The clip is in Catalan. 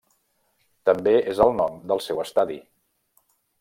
També és el nom del seu estadi.